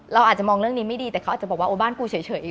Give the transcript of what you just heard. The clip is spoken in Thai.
เราอาจจะมองเรื่องนี้ไม่ดีแต่เขาอาจจะบอกว่าโอ้บ้านกูเฉย